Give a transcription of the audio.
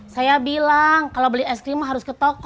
saya bilang kalau beli es krim harus ke toko